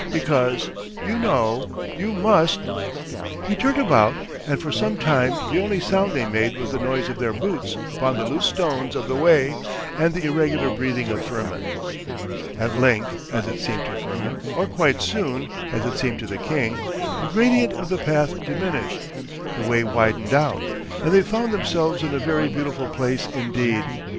Because, you know, you must....' He turned about and for some time the only sound they made was the noise of their boots upon the loose stones of the way and the irregular breathing of Firmin. At length, as it seemed to Firmin, or quite soon, as it seemed to the king, the gradient of the path diminished, the way widened out, and they found themselves in a very beautiful place indeed.